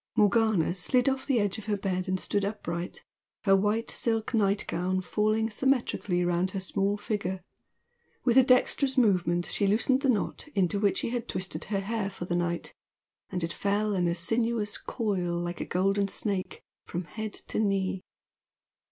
Morgana slid off the edge of her bed and stood upright, her white silk nightgown falling symmetrically round her small figure. With a dexterous movement she loosened the knot into which she had twisted her hair for the night, and it fell in a sinuous coil like a golden snake from head to knee.